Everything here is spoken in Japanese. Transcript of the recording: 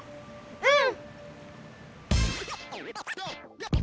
うん！